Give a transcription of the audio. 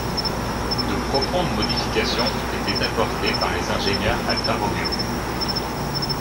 De profondes modifications ont été apportées par les ingénieurs Alfa Romeo.